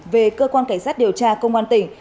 về cơ quan cảnh sát điều tra công an tỉnh